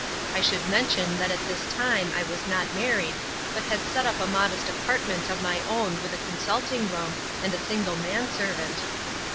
I should mention that at this time I was not married, but had set up a modest apartment of my own with a consulting room and a single manservant.